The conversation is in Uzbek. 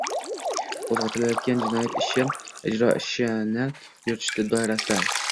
qo‘zg‘atilgan jinoyat ishi, ijro ishini yuritish doirasida